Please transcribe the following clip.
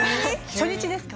初日ですか？